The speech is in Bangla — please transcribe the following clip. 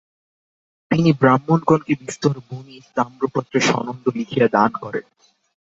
তিনি ব্রাহ্মণগণকে বিস্তর ভূমি তাম্রপত্রে সনন্দ লিখিয়া দান করেন।